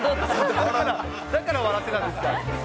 だから笑ってたんですか。